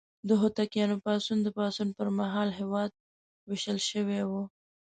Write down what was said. د هوتکیانو پاڅون: د پاڅون پر مهال هېواد ویشل شوی و.